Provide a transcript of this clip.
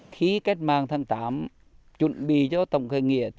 khi cách mạng tháng tám chuẩn bị cho tổng khởi nghĩa